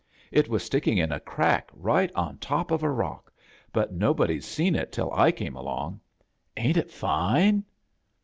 It was sticking in a crack right on top of a rock, but nobod/d seen it till I came along. Ain't it fine?"